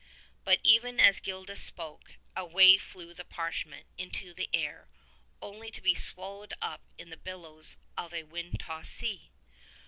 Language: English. But even as Gildas spoke, away flew the parchment into the air, only to be swallowed up in the billows of a wind tossed sea!